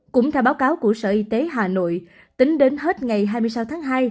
cũng theo báo cáo của sở y tế hà nội tính đến hết ngày hai mươi sáu tháng hai